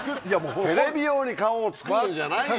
テレビ用に顔をつくるんじゃないよ！